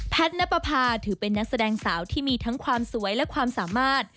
ณปภาถือเป็นนักแสดงสาวที่มีทั้งความสวยและความสามารถ